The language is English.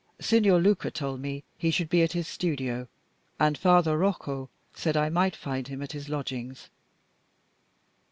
"Signor Luca told me he should be at his studio, and Father Rocco said I might find him at his lodgings."